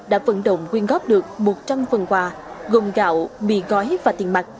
đã vận động quyên góp được một trăm linh phần quà gồm gạo bì gói và tiền mặt